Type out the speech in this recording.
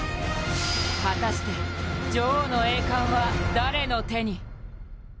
果たして女王の栄冠は誰の手に？